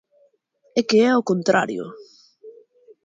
E que é ao contrario.